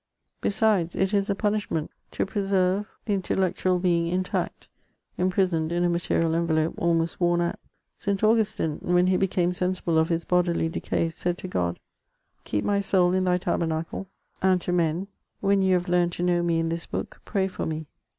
Besides, it is a punishment to preserve the intellectual being intact, imprisoned in a material envelope almost worn out. St. Augustine, when he became sensible of his bodily decay, said to God :'* Keep my soul in Thy tabernacle;" and to men, "When you have learned to know me in tins book, pray for me."